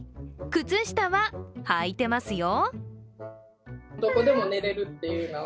靴下は履いてますよ。